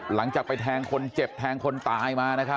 หลังจากไปแทงคนเจ็บแทงคนตายมา